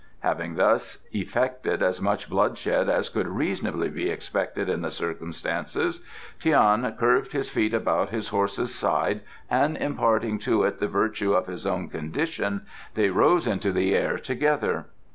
Having thus effected as much bloodshed as could reasonably be expected in the circumstances, Tian curved his feet about his horse's sides and imparting to it the virtue of his own condition they rose into the air together.